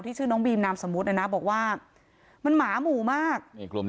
ชื่อน้องบีมนามสมมุตินะนะบอกว่ามันหมาหมู่มาก